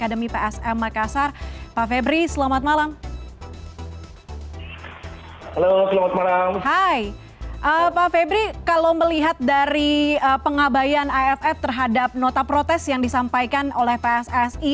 hai pak febri kalau melihat dari pengabayan aff terhadap nota protes yang disampaikan oleh pssi